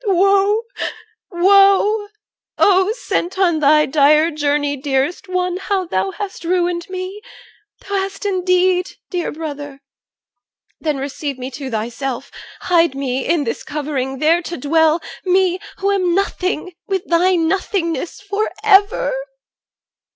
Woe! woe! Oh! sent on thy dire journey, dearest one, How thou hast ruined me! Thou hast indeed, Dear brother! Then receive me to thyself, Hide me in this thy covering, there to dwell, Me who am nothing, with thy nothingness, For ever!